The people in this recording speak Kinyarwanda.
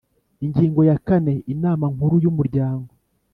Ingingo ya kane Inama Nkuru y Umuryango